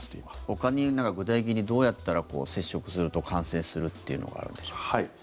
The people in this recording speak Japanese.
ほかに具体的にどうやったら接触すると感染するっていうのがあるんでしょう。